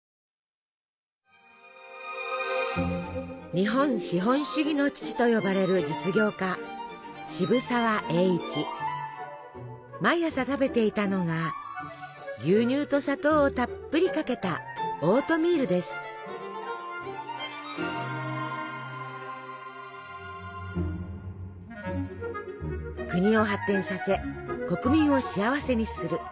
日本資本主義の父と呼ばれる実業家毎朝食べていたのが牛乳と砂糖をたっぷりかけた国を発展させ国民を幸せにする。